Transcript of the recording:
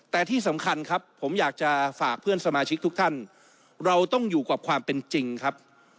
แต่ที่สำคัญครับผมอยากจะฝากเพื่อนสมาชิกทุกท่านเราต้องอยู่กับความเป็นจริงครับ